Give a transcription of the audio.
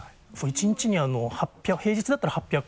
１日に平日だったら８００個。